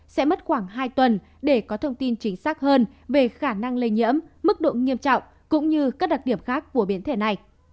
sẽ mất khoảng hai tuần để có thông tin chính xác hơn về khả năng lây nhiễm mức độ nghiêm trọng cũng như các đặc điểm khác của biến thể này